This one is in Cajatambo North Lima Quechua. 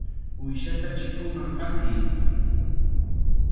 ¡Uyshata chikunman qatiy!